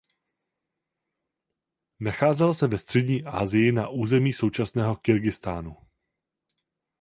Nacházela se ve Střední Asii na území současného Kyrgyzstánu.